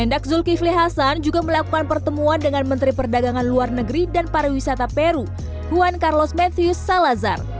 mendak zulkifli hasan juga melakukan pertemuan dengan menteri perdagangan luar negeri dan pariwisata peru puan carlos mattheus salazar